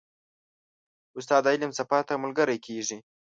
استاد د علم سفر ته ملګری کېږي.